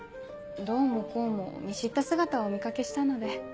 どうもこうも見知った姿をお見掛けしたので。